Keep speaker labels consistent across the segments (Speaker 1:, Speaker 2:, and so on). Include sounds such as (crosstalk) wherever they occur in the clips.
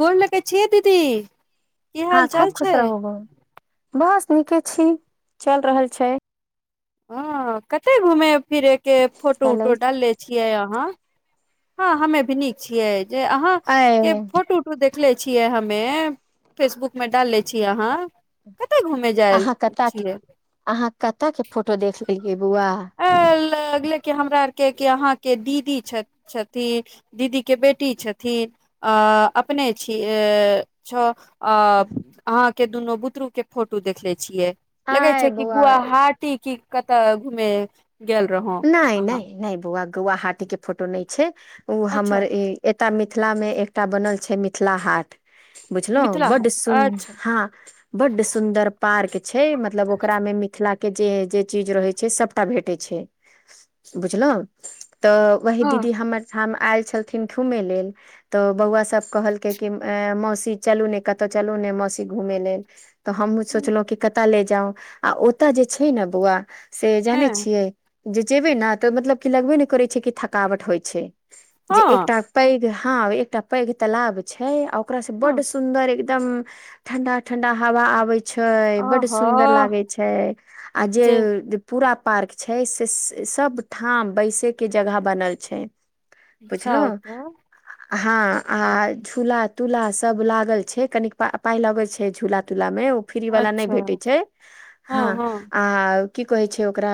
Speaker 1: गोर लग छियै दीदी की
Speaker 2: हँ
Speaker 1: हाल
Speaker 2: खूब
Speaker 1: चाल
Speaker 2: खुश
Speaker 1: छै
Speaker 2: रहू बहु बस नीके छी चल रहल छै
Speaker 1: ह कते घूमे फिरे के फोटो उटो
Speaker 2: चलैत
Speaker 1: डालले छियै अहा हँ हमे भी नीक छियै जे अहाँ
Speaker 2: आय
Speaker 1: के फोटो देखले छियै हमे फेसबुक में डालले छियै अहाँ कते घूमे जायल
Speaker 2: अहाँ कतऽ के
Speaker 1: छियै
Speaker 2: अहाँ कतय के फोटो देख लेलियै बौआ
Speaker 1: (unintelligible) हमरा आर के के अहाँके दीदी छथि छथिन दीदीे के बेटी छथिन आ अपने छीिय छ अ अहाँके दुनू बुतरू के फोटो देखले छियै लगे
Speaker 2: आय
Speaker 1: छै कि
Speaker 2: बौआ
Speaker 1: गुवहाटी की कतऽ घुमे गेल रहौ
Speaker 2: नहि
Speaker 1: अहाँ
Speaker 2: नहि नहि बौआ गौवा हाटी के फोटो नहि छै ओ हमर
Speaker 1: अच्छा
Speaker 2: एतटा मिथिला मे एकटा बनल छै मिथिला हाट। बुझल
Speaker 1: मिथिला
Speaker 2: बड्ड
Speaker 1: हाट
Speaker 2: सुन्दर
Speaker 1: अच्छा
Speaker 2: हँ बड्ड सुन्दर पार्क छै मतलब ओकरा मे मिथिला के जे चीज रहै छै सबटा भेटै छै बुझलहु तऽ वही
Speaker 1: हँ
Speaker 2: दीदी हमर हम आयल छलथिन घुमै लेल तऽ बौआसभ कहलकै कि ये मौसी चलू ने कतहु चलू ने मौसी घूमय लेल तऽ हमू सोचलहुँ कि कतय ले जाउ आ ओतय जे छै ने बौआ से जानै
Speaker 1: हैं
Speaker 2: छि जे जेबै ने तऽ मतलब कि लगबे नहि करै छै कि थकावट होइ छै जे एकटा।
Speaker 1: हँ
Speaker 2: पैघ हँ एकटा पैघ तालाब छै ओकरा से
Speaker 1: हँ
Speaker 2: बड सुन्दर एकदम ठंडा ठंडा हवा आबे छै बड
Speaker 1: ओहो
Speaker 2: सुदर लागे छै आ जे पूरा पार्क छै से सब ठाम बैसे के जगह बनल छै।
Speaker 1: बताउ
Speaker 2: पुछिलहु
Speaker 1: तऽ
Speaker 2: हँ आ झूला तूला सब लागल छै कनिका पाय लगैत छै झूला मे ओ (unintelligible) फ्री वाला नहि
Speaker 1: अच्छा
Speaker 2: भेटै छै हँ आ की कहै छै ओकरा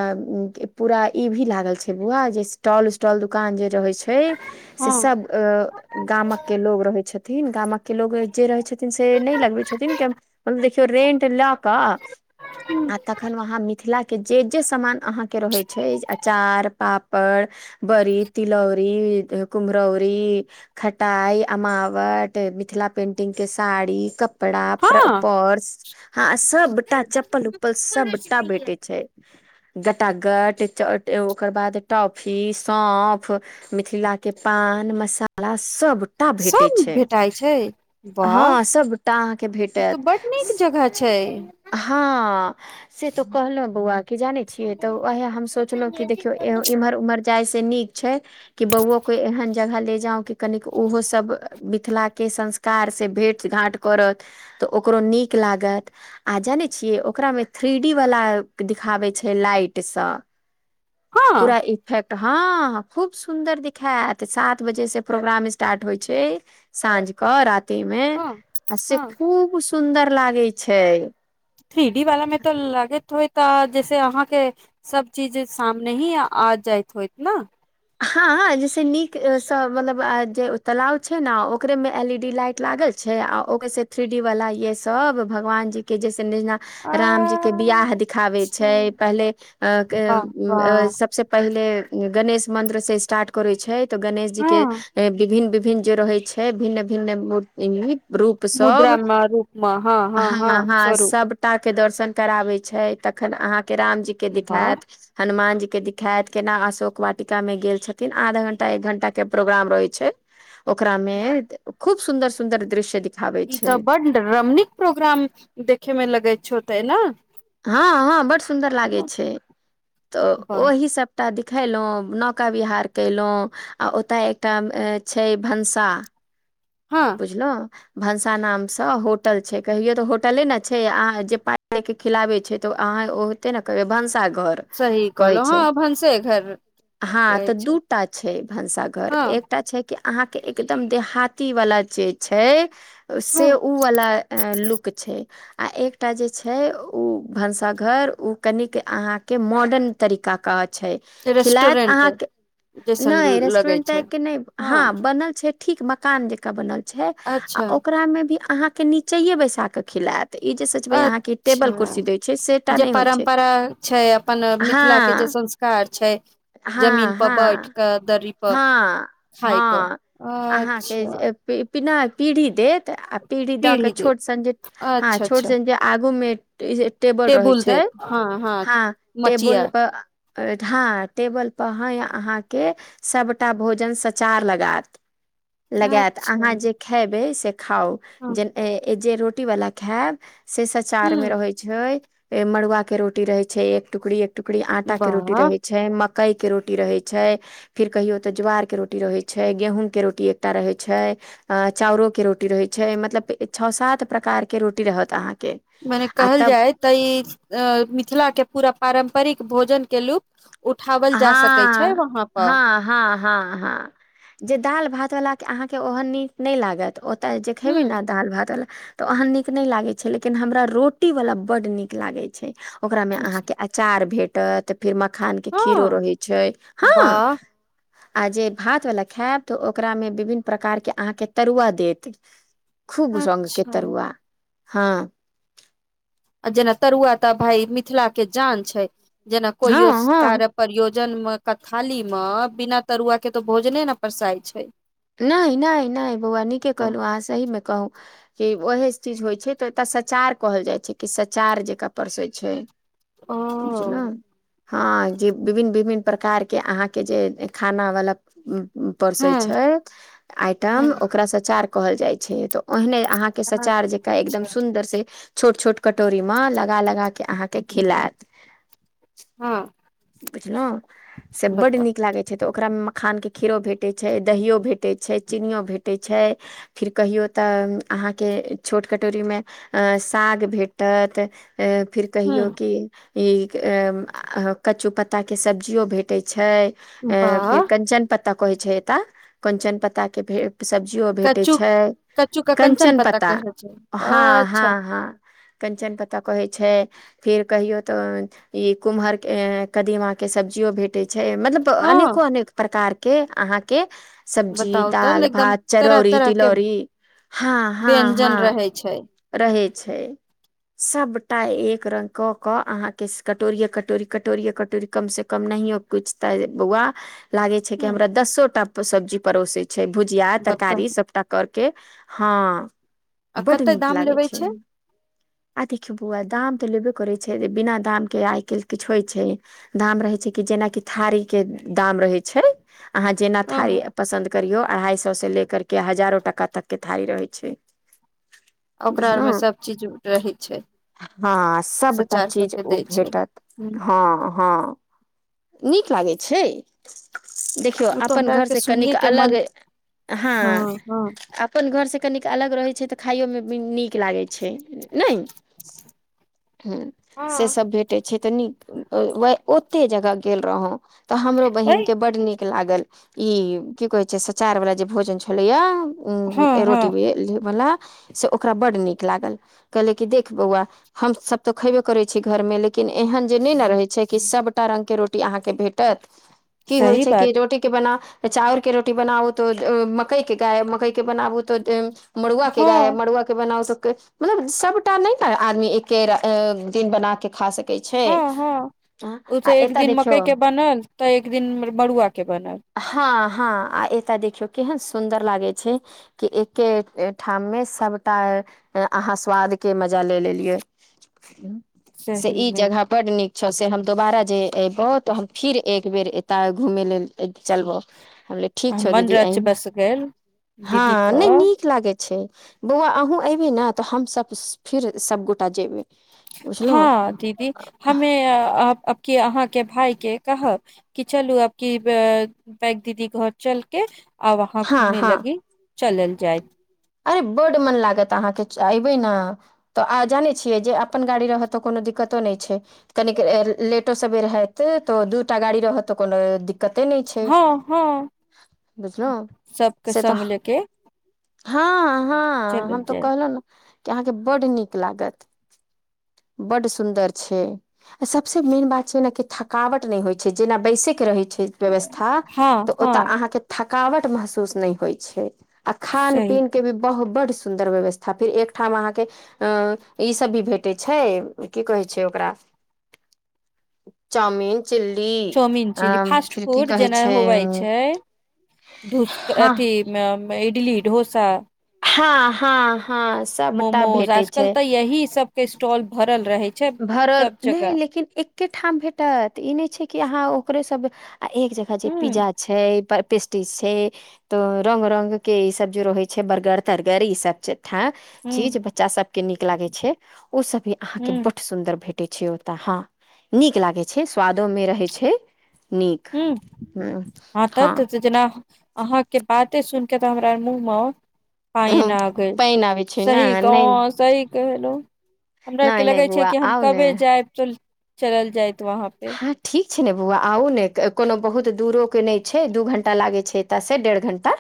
Speaker 2: पूरा ई भी लागल छै बौआ जे स्टॉल उटॉल दकान जे रहै छै से
Speaker 1: हँ
Speaker 2: गामक के लोग रहै छथिन गामक के लोग जे रहै छथिन से नहि लगबै छथिन देखियौ रेंट लए कऽ आ तखन वहाँ मिथिला के जे जे समान अहाँके रहैत छै अचार पापड़ बड़ी तिलौरी कुम्हरौरी। खटाइ अमावट मिथिला पेंटिंगके साड़ी कपड़ा
Speaker 1: हँ
Speaker 2: पर्स हँ सबटा चप्पल उप्पल सबटा भेठे छै। गटागट ओकर बाद टॉफी सौप मिथिला के पान मसाला सब (inaudible)
Speaker 1: सब भेटाइ छै वाह ई तऽ बड नीक जगह छै
Speaker 2: हँ से तो कहलहु बौआ की जाने छियै तऽ वएहे हम सोचलों क देखियो इम्हर उम्हर। जाइ से नीक छै। कि बौओ कोइ एहन जगह ले जाउ कि कनिक ओहो सब मिथिला के संस कार से भेट घाँट करत तऽ ओकरो नीक लागत आ जाने छियै ओकरा मे थ्री डी वाला दिखाबे छै लाइट सब
Speaker 1: हँ
Speaker 2: पूरा इफेक्ट। हँ खूब सुन्दर दिायत सात बजेसँ प्रोग्राम स्टार्ट होइ छै। साँझ कऽ राति मे
Speaker 1: हँ
Speaker 2: से
Speaker 1: हँ
Speaker 2: खूब सुन्दर लागैत छै
Speaker 1: थ्री डी वाला मे तऽ लगैत होय त जैसे अहाँके। सब चीज सामने ही आ जाइत होइत ने।
Speaker 2: हँ जैस नीक सँ मतलब जे तलाब छै ने ओकरे मे एल ई डी लाइट लागल छै आ ओकर से थ्री डी वाला ये सब भगवान जी के जैसे रामजी के बियाह
Speaker 1: अच्छा
Speaker 2: दिखाबै छै पहिले
Speaker 1: वाह
Speaker 2: अ
Speaker 1: वाह
Speaker 2: (unintelligible)
Speaker 1: हँ
Speaker 2: जे रहे छै भिन्न भिन्न मूर्ति रूप
Speaker 1: मुद्रा
Speaker 2: सब
Speaker 1: मे रूप मे हँ
Speaker 2: हँ हँ
Speaker 1: स्वरूप
Speaker 2: सब दर्शन कराबै छै तखन अहाँके रामजी के
Speaker 1: वाह
Speaker 2: दिखायत हनुमान जी के दिखायत केना अशोक वा टिका मे गेल छथिन आधा घंटा एक घंटा के प्रोग्राम रहै छै ओकरा मे खूब सुन्दर सुन्दर दृश्य देख
Speaker 1: ई तऽ बड रमणीक प्रोग्राम देखे मे लगैत छ होते ने
Speaker 2: हँ हँ बड सुन्दर लागे छै तऽ
Speaker 1: वाह
Speaker 2: ओहि सब टा देखिलो नौका बिहार कलो आ ओतऽ एकटा छै भनसा
Speaker 1: हँ
Speaker 2: बुझलो भनसा नाम से होटल छै कहियो तऽ होटले ने छै आ जे पा खिलाबै छै तऽ अहाँ ओ होते ने कहबै भनसाघर
Speaker 1: सही
Speaker 2: कहै
Speaker 1: कहलो
Speaker 2: छै
Speaker 1: हँ भनसे घर
Speaker 2: हँ
Speaker 1: रहै
Speaker 2: तऽ
Speaker 1: छै
Speaker 2: दूटा छै भनसाघर
Speaker 1: हँ
Speaker 2: एकटा छै क अहाँ के एकदम देहाती वाला जे छै
Speaker 1: हँ
Speaker 2: से उ वाला लुक छै आ एकटा जे छै ओ भनसाघर ओ कनिक अहाँके मॉडर्न तरीका के छै खिलायत
Speaker 1: रेस्टोरेंट
Speaker 2: अहाँ के
Speaker 1: जैसन
Speaker 2: नय
Speaker 1: लगै
Speaker 2: रेस्टोरेन्ट
Speaker 1: छै
Speaker 2: टाइ के नय
Speaker 1: हँ
Speaker 2: हाँ बनल छै ठीक मकान जेकाँ बनल छै आ
Speaker 1: अच्छा
Speaker 2: ओकरा मे भी अहाँके निचेये बैसा क खिलायत ई जे सोचबै अहाँके टेबल
Speaker 1: अच्छा
Speaker 2: कुर्सी दै छै से टा
Speaker 1: जे
Speaker 2: नहि होइ छै
Speaker 1: परम्परा छै अपन मिथिला के जे
Speaker 2: हँ
Speaker 1: संस्कृ कर छै जमीन
Speaker 2: हँ
Speaker 1: पर बैठ
Speaker 2: हँ
Speaker 1: के दड़ी हइ क
Speaker 2: हँ
Speaker 1: खाइ क अच्छा
Speaker 2: पनैय पीढ़ी देत आ पीढ़ी दऽ के छोट सन जे ह
Speaker 1: अच्छा
Speaker 2: छोट
Speaker 1: अच्छा
Speaker 2: सन जे आगू मे टेबल रहे
Speaker 1: टेबुल
Speaker 2: छै
Speaker 1: देत हँ
Speaker 2: हँ
Speaker 1: मचिया
Speaker 2: टेबल पर हँ (unintelligible) टेबल पर है अहाँके सबटा भोजन सचार लगत लगायत
Speaker 1: अच्छा
Speaker 2: अहाँ जे खयबै से खाउ
Speaker 1: ह
Speaker 2: जेना जे रोटीवला खायब से सचार में
Speaker 1: ह
Speaker 2: रहे छै मड़ुआ के रोटी रहे छै एक टुकड़ी एक टुकड़ी आटा के रोटी
Speaker 1: वाह
Speaker 2: रहे छै मकई के रोटी रहे छै फेर कहियो तऽ ज्वार के रोटी रहै छै गेहूँम के रोटी एकटा रहै छै अ चाउरो के रोटी रहैत छै मतलब छओ सात प्रकार के रोटी रहत अहाँके
Speaker 1: मने
Speaker 2: आ
Speaker 1: कहल
Speaker 2: तब
Speaker 1: जाय तऽ ई अ मिथिला के पूरा पारम्परिक भोजन के लूफत उठओल जा सकैत छै वहाँ पर
Speaker 2: ह हँ ह जे दाल भात वाल के अहाँके ओहन नीक नय लागत तऽ जे खेबै
Speaker 1: ह
Speaker 2: ने दाल भात वला तऽ ओहन नीक नय लागै छै लेकिन हमरा रोटी बला बड्ड नीक लागै छै ओकरामे अहाँके चार भेटत फेर मखान के खीरो
Speaker 1: हँ
Speaker 2: रहै छै हँ
Speaker 1: वाह
Speaker 2: आ जे भातवला खायब तऽ ओकरा में विभिन्न प्रकारके अहाँके तरुआ देत खूब रंगके
Speaker 1: अच्छा
Speaker 2: तरुआ हँ
Speaker 1: जेना तरुआ तऽ भाय मिथिला के जान छै जेना
Speaker 2: हँ
Speaker 1: कोइो
Speaker 2: हँ
Speaker 1: कारक प्रयोजन मे क थाली मे बिना तरुआ के तो भोजने ने पसाई छै
Speaker 2: नय नय नय बौआ नीके
Speaker 1: तऽ
Speaker 2: कहलहुँ अहाँ सहीमे कहू कि ओहे चीज होइ छै तऽ ओतय सचार कहल जाइ छै कि सचार जकरा परसै छै बुझलो हँ जे विभिन्न विभिन्न प्रकारके अहाँके जे खाना वला (unintelligible) पररसे
Speaker 1: हँ
Speaker 2: छै आइटम
Speaker 1: हँ
Speaker 2: ओकरा सचार कहल जाइत छै तऽ ओहने अहाँके के सचार जेका एकदम
Speaker 1: अच्छा
Speaker 2: सुंन्दर से छोट छोट कटोरी मे लगा लगा के अहाँके खिलायत
Speaker 1: हँ
Speaker 2: बुझलहूं से बड
Speaker 1: बताउ
Speaker 2: नीक लागै छैय तऽ ओकरामे मखानके खीरो भेटैत छयय दहियो भेटैत छैय चीनियो भेटैत छैय। फेर कहियौ तऽ अहाँके छोट कटोरीमे अ साग भेटत अ फिर
Speaker 1: हूँ
Speaker 2: कहियो कि ई कचू पत्ताके सब्जियो भेटै छैय। अ फिर
Speaker 1: वाह
Speaker 2: कंचन पता कहै छैय एत कंचन पत्ताके भे सब्जियो भेटैत
Speaker 1: कच्चू
Speaker 2: छैय
Speaker 1: कच्चू के कंचन
Speaker 2: कञ्चन पत्ता
Speaker 1: कहै छै
Speaker 2: हँ
Speaker 1: अच्छा
Speaker 2: हँ हँ। कंचन प्ता कहै छैय फिर कहियो तऽ ई कुम्हर कदीमाकके सब्जियो भेटै छैय मतलब
Speaker 1: हँ
Speaker 2: अनेको अनेक प्रकारके अहाँके सब्जी
Speaker 1: बताउ तऽ
Speaker 2: दाल
Speaker 1: एकदम
Speaker 2: भात
Speaker 1: तरह
Speaker 2: चरौरी
Speaker 1: तरह के
Speaker 2: तिलौरी हँ हँ हँ।
Speaker 1: व्यंजन रहै छै
Speaker 2: रहै छैय। सभटा एक रङ्ग कऽ कऽ अहाँके कटोरिए कटोरी कटोरिए कटोरी कमसँ कम नहियो किुछ तऽ बौआ लागे छैय कि
Speaker 1: हूँ
Speaker 2: हमरा दसोटा सब्जी परोसे छैय भुजिया
Speaker 1: बताउ
Speaker 2: तरकारी सब त करके हँ।
Speaker 1: आ
Speaker 2: बड
Speaker 1: कते
Speaker 2: नीक
Speaker 1: दाम
Speaker 2: लागै
Speaker 1: लेबै
Speaker 2: छै
Speaker 1: छैय?
Speaker 2: आ देखियौ बौआ दाम तऽ लेबे करै छैय जे बिना दाम के आइ काल्हि किछु होइ छैय। दाम रहैत छैय कि जेनाकि थारीके दाम रहै छैय। अहाँ जेना
Speaker 1: हँ
Speaker 2: थारी पसन्द करियौ अढ़ाइ सएसँ लेकके हजारो टाका तकके थारी रहै छैय।
Speaker 1: ओकरा आरमे सब चीज रहै छैय।
Speaker 2: हँ सभटा चीज ओ
Speaker 1: छै
Speaker 2: भेटत
Speaker 1: हूँ
Speaker 2: हँ हँ। नीक लागै छैय देख खियौ
Speaker 1: ओ तऽ
Speaker 2: अपन
Speaker 1: हमरा
Speaker 2: घर
Speaker 1: आरके
Speaker 2: से
Speaker 1: सुनिये
Speaker 2: कनिक
Speaker 1: के
Speaker 2: अलग
Speaker 1: मन
Speaker 2: हँ। अपन घरसँ कनिक अलग रहैत छैय तऽ खाइयोमे भी नीक लागै छैय नहि। ह से सब भेटैत छैय तऽ नीक ओते जगह गेल रहौ। तऽ हमरो
Speaker 1: अय
Speaker 2: बहिनक के बड नीक लागल ई की कहे छैय सचार वाला जे भोजन छलैया
Speaker 1: हँ हँ
Speaker 2: रोटीवला से ओकरा बड्ड नीक लागल कहलक कि देख बौआ हम सभ तऽ खेबे करै छीयै घर मे लेकिन एहन जे नहि ने रहे छैय कि सभटा रंगके रोटी रोटी अहाँके भेटत की होइ
Speaker 1: सही
Speaker 2: छैय कि
Speaker 1: बात
Speaker 2: रोटी के बना चाउर के रोटी बनाबू तऽ मकई के गाय मकई के बनाबू तऽ मड़ुआके
Speaker 1: हँ
Speaker 2: गायब है मड़ुआ बना सकके मतलब सबटा नहि कर आदमी एके दिन बना के खा सक
Speaker 1: हँ
Speaker 2: छैय
Speaker 1: हँ ओ
Speaker 2: आ
Speaker 1: तऽ
Speaker 2: एते
Speaker 1: एक दिन मकई के बनल तऽ एक दिन मड़ुआके बनल।
Speaker 2: हँ हँ आ एता देखियौ केहन सुन्दर लागय छैय। कि एके ठाममे सभटा अहाँ स्वादके मजा ले लेलियै। से
Speaker 1: सही
Speaker 2: ई
Speaker 1: मे
Speaker 2: जगह बड नीक छौ से हम दोबारा जे एबौ तऽ हम फिर एक बेेर एता घूमे ल चलबौ हम ठीक छौ
Speaker 1: मन
Speaker 2: दीदी
Speaker 1: रच
Speaker 2: एहिमे
Speaker 1: बस गेल दीदी
Speaker 2: हँ नहि
Speaker 1: क
Speaker 2: नीक लागे छैय। बौआ अहूँ एबय ने तऽ हमस फिर सबगोटा जेबै।
Speaker 1: हँ
Speaker 2: बुझलहुँ
Speaker 1: दीदी हमे अपके अहाँके भााय के कह कि चलू आपक बैग दीदी घर चलके आ वहां
Speaker 2: हँ
Speaker 1: घूमे
Speaker 2: हँ
Speaker 1: लगी चलल जाय।
Speaker 2: अरे बड मन लागत अहाँके अयबै ने तऽ आ जानै छियै जे अपन गाड़ी रहय तऽ कोनो दिक्कतो नहि छैय। कन लेटो सेर होत तऽ दूटा गाड़ी रहतऽ कोनो दिक्क कते नहि छैय
Speaker 1: हँ हँ
Speaker 2: बुझलहुँ
Speaker 1: सबके
Speaker 2: से तऽ
Speaker 1: संग लेके
Speaker 2: हँ हँ हम
Speaker 1: चलल
Speaker 2: तऽ
Speaker 1: जायत
Speaker 2: कहलहुं ने कि अहाँके बड्ड नीक लागत। बड्ड सुन्दर छैय। आ सबसँ मेन बात छैय ना कि थकावट नहि होइ छैय जेना बैसैके रहै छैय। व्यवस्था
Speaker 1: हँ
Speaker 2: तऽ
Speaker 1: हँ
Speaker 2: ओतऽ अहाँके थकावट महसूस नहि होइ छैय आ खान
Speaker 1: सही
Speaker 2: पीन के भी बहु बड्ड सुन्दर व्यवस्था फिर एकठाम अहाँके अ ईसभ भी भेटै छैय की कहै छैय ओकरा चाउमिन चिल्ली
Speaker 1: चाउमिन
Speaker 2: आ
Speaker 1: चिली फास्ट
Speaker 2: फिर की कहै छैय
Speaker 1: धूसक अथी इडली ढोसा
Speaker 2: हँ हँ हँ सबटा
Speaker 1: मोमोज
Speaker 2: भेटै
Speaker 1: आजकल
Speaker 2: छै
Speaker 1: तऽ यही सब के स्टॉल भरल रहे छैय।
Speaker 2: भरत नहि लेकिन एक ठाम भेटत ई नहि छैय कि अहाँ ओकरे सब आ एक जगह जे
Speaker 1: हूं
Speaker 2: पिज्जा छैय पेस्टि छैय तऽ रंग रंग के ई सब जे रहै छैय बर्गर तर्गर ई सब छैय।
Speaker 1: हूं
Speaker 2: चीज बच्चा सब के नीक लागे छैय ओ सब भी अहा के
Speaker 1: हूं
Speaker 2: बड सुंदर भेट टय छैय ओतऽ हँ नीक लागे छैय स्वादो मे रहै छैय नीक।
Speaker 1: ह
Speaker 2: हूँ
Speaker 1: आ त
Speaker 2: हँ
Speaker 1: त जेना अहाँके बाते सुन के तऽ हमरा मुँह मे पानि
Speaker 2: उँ,
Speaker 1: आ गैल
Speaker 2: पानि आबै छै ने
Speaker 1: सी
Speaker 2: नहि
Speaker 1: कह सी कहलो। हमरा आर के
Speaker 2: नहि नहि
Speaker 1: लगे छैय
Speaker 2: बौआ
Speaker 1: कि हम
Speaker 2: आउ ने
Speaker 1: कभे जायब तो चलल जायत वहां पे।
Speaker 2: हँ ठीक छैय ने बौआ आउ ने कोनो बहुत दूरोके नहि छैय दू घण्टा लागै छैय एतऽसँ डेढ़ घण्टा।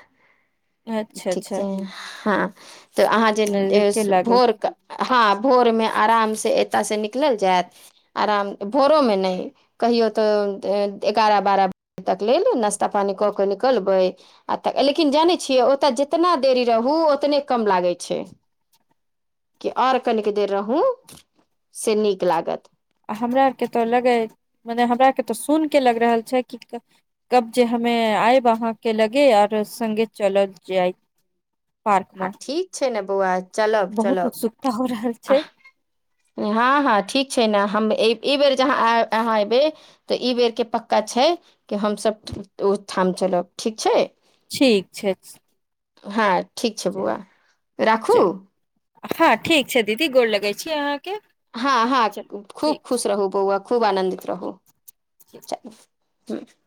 Speaker 1: अच्छा
Speaker 2: ठीक
Speaker 1: अच्छा
Speaker 2: छैय हँ तऽ अहाँ जे
Speaker 1: नजदीके लागै
Speaker 2: भोरक हँ भोर मे आराम से एतय से निकलल जायत आराम भोरोमे नहि कहियो तऽ एगारह बारह बजे तक लेल नाास्ता पानी कऽ के निकलबै आ तऽ लेकिन जानै छियै ओतय जितना देरी रहू ओतने कम लागै छैय। कि आओर कनिक देर रहू से नीक लागत।
Speaker 1: आ हमरा आर के तऽ लगे मने हमरा आर के तऽ सुन के लग रहल छैय कि कब जे हमे आयब अहाँ के लगे आर संगे चलल जाए
Speaker 2: हँ
Speaker 1: पार्कमे।
Speaker 2: ठीक छैय ने बौआ चलब चलब।
Speaker 1: उत्सुकता हो रहल छैय।
Speaker 2: हँ हँ ठीक छैय ने हम एहि बेर जहाँ अहाँ एबै तऽ ई बेरके पक्का छैय कि हमसभ ओ ठाम चलब ठीक छैय।
Speaker 1: ठीक छैय।
Speaker 2: हँ ठीक छैय बुआ राखू?
Speaker 1: हँ ठीक छैय दीदी गोल लगै छी अहाँके।
Speaker 2: हँ
Speaker 1: चलू
Speaker 2: हँ खूब
Speaker 1: ठीक
Speaker 2: खुश
Speaker 1: छै
Speaker 2: रहू बौआ खूब आनन्दित रहू।
Speaker 1: (unintelligible)
Speaker 2: (unintelligible)